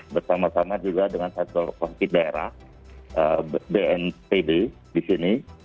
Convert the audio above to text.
bersama sama juga dengan satujat covid sembilan belas daerah bnpb di sini